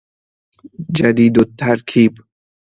جدید الترکیب